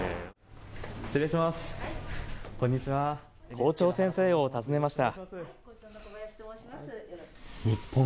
校長先生を訪ねました。